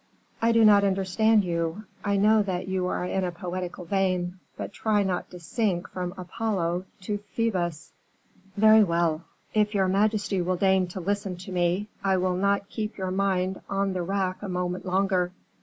"I do not understand you. I know that you are in a poetical vein; but try not to sink from Apollo to Phoebus." "Very well; if your majesty will deign to listen to me, I will not keep your mind on the rack a moment longer."